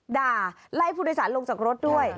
ด่าไล่ผู้โดยสารลงจากรถด้วย